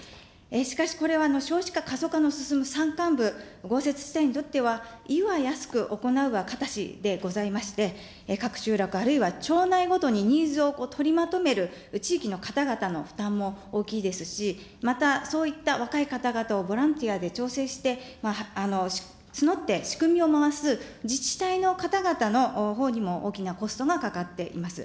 しかしこれは少子化・過疎化の進む山間部、豪雪地帯にとっては言うは易く、行うは難しでございまして、各集落、あるいは町内ごとにニーズを取りまとめる地域の方々の負担も大きいですし、またそういった若い方々をボランティアで調整して、募って仕組みを回す自治体の方々のほうにも大きなコストがかかっています。